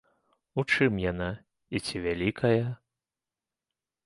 У чым яна і ці вялікая?